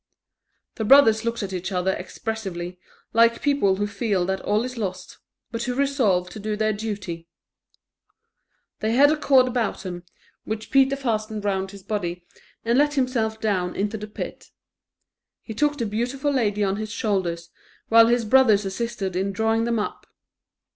The brothers looked at each other expressively, like people who feel that all is lost, but who resolve to do their duty They had a cord about them, which Peter fastened round his body, and let himself down into the pit. He took the beautiful lady on his shoulders, while his brothers assisted in drawing them up.